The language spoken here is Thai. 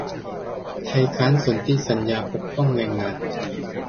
ไทยค้านสนธิสัญญาปกป้องแรงงาน